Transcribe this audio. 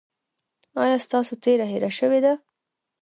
ایا ستاسو تیره هیره شوې ده؟